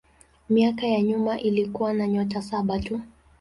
Miaka ya nyuma ilikuwa na nyota saba tu.